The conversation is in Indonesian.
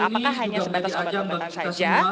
apakah hanya sebatas obat obatan saja